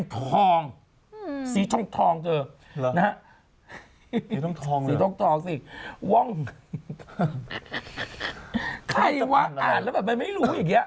ใครวะอ่านแล้วแบบมันไม่รู้อย่างนี้